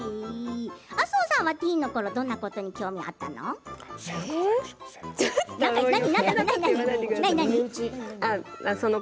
麻生さんはティーンのころどんなことに興味があったの？